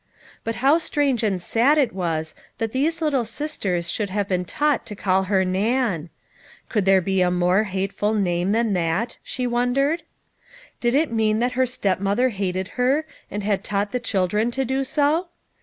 But how strange and sad it was that these little sisters should have been taught to call her Nan ! could there be a more hateful name than that, she wondered. Did it mean that her step mother hated her, and had taught the children to do so?